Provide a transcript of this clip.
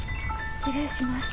失礼します。